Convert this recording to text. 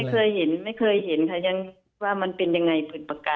เคยเห็นไม่เคยเห็นค่ะยังว่ามันเป็นยังไงผืนปากกา